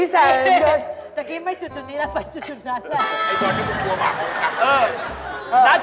ใช่ครับ